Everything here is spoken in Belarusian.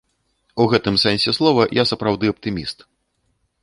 У гэтым сэнсе слова я сапраўды аптыміст.